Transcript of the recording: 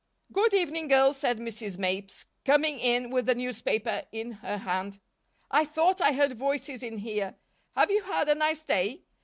"Good evening, girls," said Mrs. Mapes, coming in with a newspaper in her hand. "I thought I heard voices in here. Have you had a nice day?